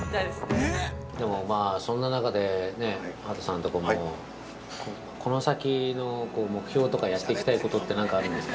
でも、そんな中で畑さんとこもこの先の目標とかやっていきたいことって何かあるんですか。